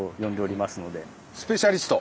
スペシャリスト？